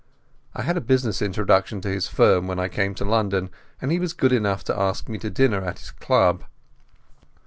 I had a business introduction to his firm when I came to London, and he was good enough to ask me to dinner at his club.